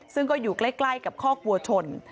ซึ่งก็อยู่ใกล้กับคอกวัวชน